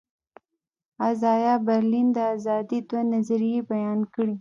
ازایا برلین د آزادي دوه نظریې بیان کړې.